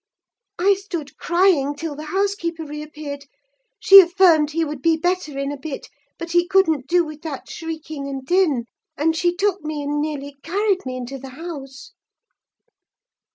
I stood crying till the housekeeper reappeared. She affirmed he would be better in a bit, but he couldn't do with that shrieking and din; and she took me, and nearly carried me into the house.